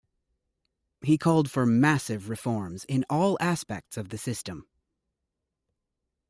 He called for massive reforms in all aspects of the system.